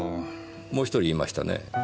もう１人いましたね。